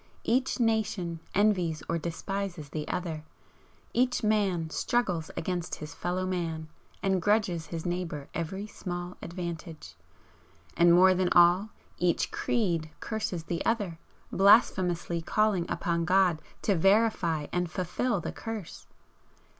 Each nation envies or despises the other, each man struggles against his fellow man and grudges his neighbour every small advantage, and more than all, each Creed curses the other, blasphemously calling upon God to verify and fulfil the curse!